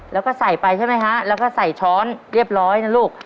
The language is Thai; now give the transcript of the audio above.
แล้วก็ใส่ไปใช่ไหมฮะแล้วก็ใส่ช้อนเรียบร้อยนะลูก